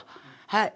はい。